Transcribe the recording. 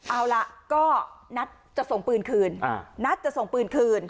เอาล่ะก็นัดจะส่งปืนคืนนัดจะส่งปืนคืน